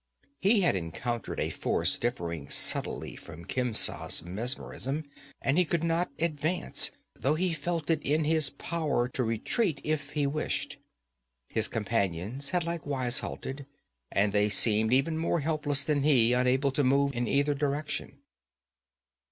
He had encountered a force differing subtly from Khemsa's mesmerism, and he could not advance, though he felt it in his power to retreat if he wished. His companions had likewise halted, and they seemed even more helpless than he, unable to move in either direction.